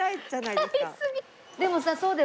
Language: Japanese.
でもさそうだよ